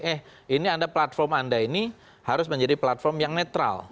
eh ini anda platform anda ini harus menjadi platform yang netral